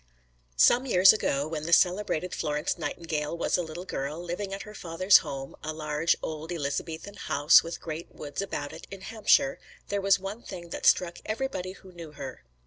_ Some years ago, when the celebrated Florence Nightingale was a little girl, living at her father's home, a large, old Elizabethan house, with great woods about it, in Hampshire, there was one thing that struck everybody who knew her.